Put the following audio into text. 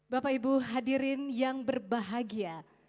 bapak ibu hadirin yang berbahagia